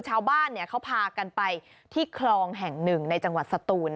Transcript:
ชาวบ้านเขาพากันไปที่คลองแห่งหนึ่งในจังหวัดสตูน